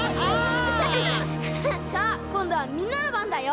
さあこんどはみんなのばんだよ！